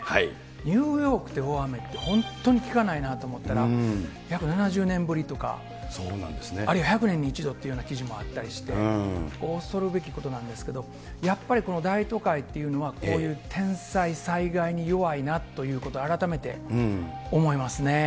ニューヨークで大雨って、本当に聞かないなって思ったら、約７０年ぶりとか、あるいは１００年に１度というような記事もあったりして、恐るべきことなんですけれども、やっぱりこの大都会っていうのは、こういう天災、災害に弱いなということを改めて思いますね。